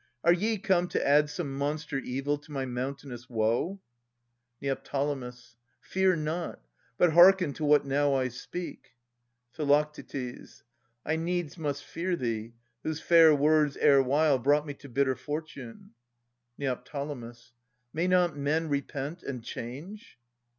Are ye come to add Some monster evil to my mountainous woe ? Ned. Fear not, but hearken to what now I speak. Phi. I needs must fear thee, whose fair words erewhile Brought me to bitter fortune. Neo. May not men Repent and change?